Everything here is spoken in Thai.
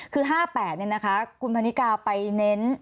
คือ๕๘เนี่ยนะคะคุณพันธ์นิกาไปเน้น